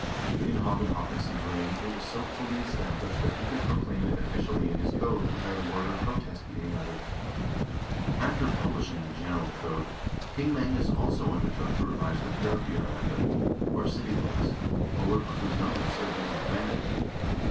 In Haakon Haakonsson's reign it was so fully established that he could proclaim it officially in his code without a word of protest being uttered. After publishing the general code, King Magnus also undertook to revise the "Bjarkeyjarrlttr," or city laws, a work which was no less urgently demanded.